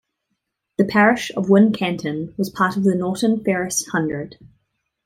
The parish of Wincanton was part of the Norton Ferris Hundred.